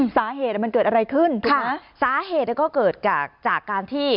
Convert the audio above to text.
สาเหตุมันเกิดอะไรขึ้นถูกไหมสาเหตุก็เกิดจากการที่